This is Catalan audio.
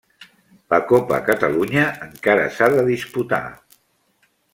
La Copa Catalunya encara s'ha de disputar.